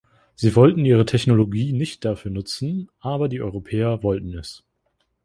Sie wollten ihre Technologie nicht dafür nutzen, aber die Europäer wollten es.